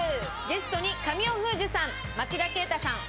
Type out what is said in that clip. ゲストに神尾楓珠さん町田啓太さん